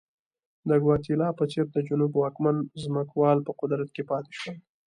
د ګواتیلا په څېر د جنوب واکمن ځمکوال په قدرت کې پاتې شول.